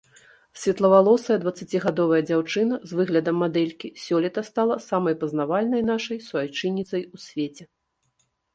Светлавалосая дваццацігадовая дзяўчына з выглядам мадэлькі сёлета стала самай пазнавальнай нашай суайчынніцай у свеце.